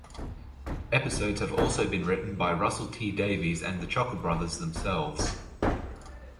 Episodes have also been written by Russell T Davies and The Chuckle Brothers themselves.